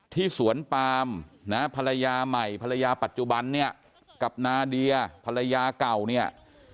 สวนปามนะภรรยาใหม่ภรรยาปัจจุบันเนี่ยกับนาเดียภรรยาเก่าเนี่ย